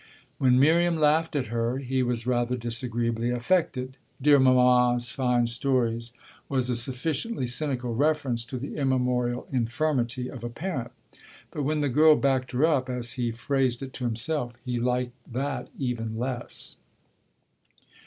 When Miriam laughed at her he was rather disagreeably affected: "dear mamma's fine stories" was a sufficiently cynical reference to the immemorial infirmity of a parent. But when the girl backed her up, as he phrased it to himself, he liked that even less.